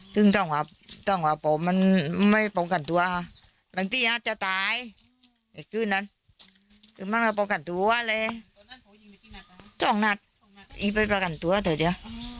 ตรงตรงหวะมันไม่ปลงกันตัวตรงนี้มันอาจจะตาย